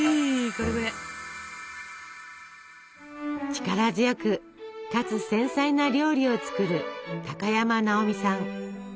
力強くかつ繊細な料理を作る高山なおみさん。